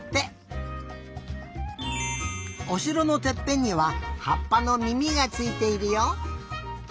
おしろのてっぺんにははっぱのみみがついているよ。